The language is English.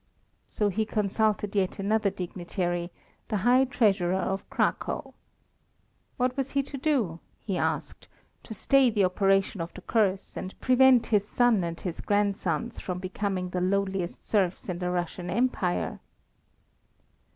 So he consulted yet another dignitary, the High Treasurer of Cracow. What was he to do, he asked, to stay the operation of the curse and prevent his son and his grandsons from becoming the lowliest serfs in the Russian Empire?